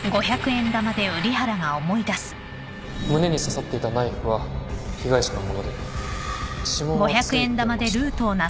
胸に刺さっていたナイフは被害者の物で指紋は付いてました